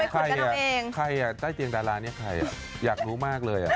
ใครใต้เตียงดารานี่ใครอยากรู้มากเลย